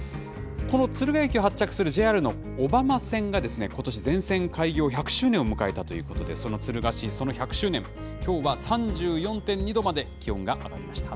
この敦賀駅を発着するＪＲの小浜線が、ことし、全線開業１００周年を迎えたということで、その敦賀市、その１００周年、きょうは３４．２度まで気温が上がりました。